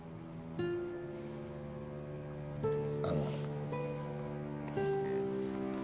あの。